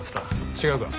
違うか？